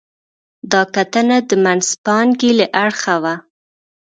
دا کتنه د منځپانګې له اړخه وه.